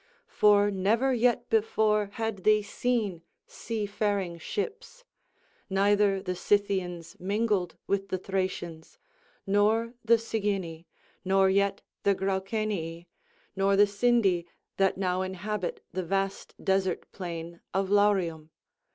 For never yet before had they seen seafaring ships, neither the Scythians mingled with the Thracians, nor the Sigynni, nor yet the Graucenii, nor the Sindi that now inhabit the vast desert plain of Laurium.